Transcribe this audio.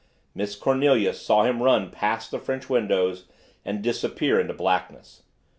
Miss Cornelia saw him run past the French windows and disappear into blackness.